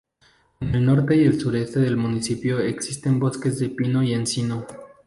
En el norte y el sureste del municipio existen bosques de pino y encino.